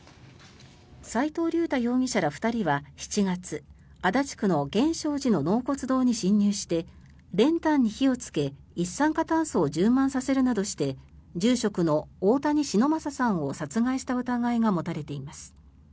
齋藤竜太容疑者ら２人は７月足立区の源証寺の納骨堂に侵入して練炭に火をつけ一酸化炭素を充満させるなどして住職の大谷忍昌さんを殺害した疑いが持たれています。